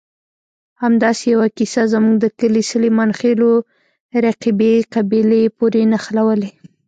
همداسې یوه کیسه زموږ د کلي سلیمانخېلو رقیبې قبیلې پورې نښلولې.